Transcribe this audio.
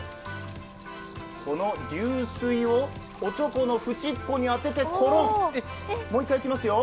この流水をおちょこのふちっこに当ててもう一回いきますよ。